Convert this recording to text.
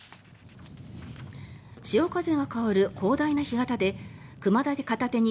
潮風が香る広大な干潟で熊手片手に